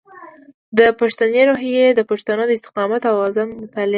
د پښتني روحیه د پښتنو د استقامت او عزم مطالعه ده.